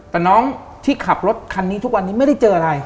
แต่น้องที่ขับรถคันนี้ทุกวันนี้ไม่ได้เจออะไร